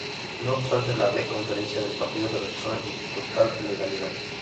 No obstante, la V Conferencia del Partido se realizó en total legalidad.